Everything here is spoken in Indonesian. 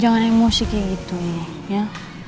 jangan emosi kayak gitu ya